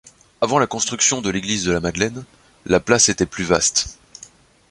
Avant la construction de l'église de la Madeleine, la place était plus vaste.